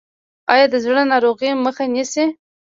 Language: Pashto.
دا د زړه ناروغۍ مخه نیسي.